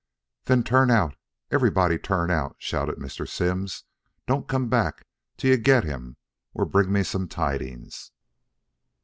"Then turn out; everybody turn out!" shouted Mr. Simms. "Don't come back till you get him or bring me some tidings."